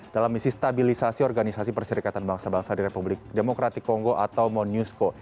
dalam misi stabilisasi organisasi persyarikatan bangsa bangsa di republik demokrati kongo atau monusco